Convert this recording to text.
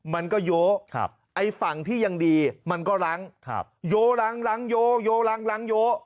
มันก็โย๊ะไอฝั่งที่ยังดีมันก็รั้งโย๊ะรั้งรั้งโย๊ะโย๊ะรั้งรั้งโย๊ะ